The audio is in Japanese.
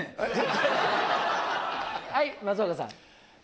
はい松岡さん。